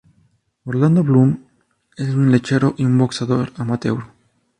Orlando Bloom es un lechero y un boxeador amateur.